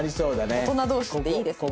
大人同士っていいですね。